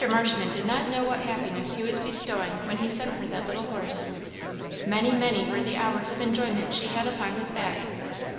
Marshman did not know what happiness he was bestowing when he sent her that little horse. Many, many were the hours of enjoyment she had upon his back.